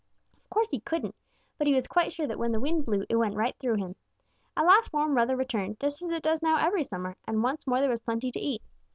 "Of course he couldn't, but he was quite sure that when the wind blew, it went right through him. At last warm weather returned, just as it does now every summer, and once more there was plenty to eat.